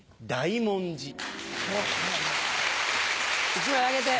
１枚あげて。